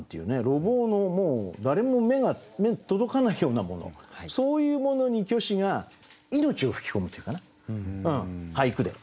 路傍の誰も目の届かないようなものそういうものに虚子が命を吹き込むというかな俳句で。